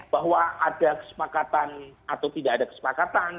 bahwa ada kesepakatan atau tidak ada kesepakatan